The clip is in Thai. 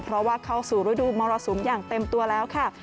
เพราะว่าเข้าสู่ฤดูมรสุมอย่างเต็มตัวแล้วค่ะ